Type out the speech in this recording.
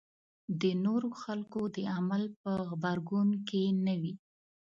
د نورو خلکو د عمل په غبرګون کې نه وي.